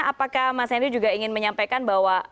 apakah mas henry juga ingin menyampaikan bahwa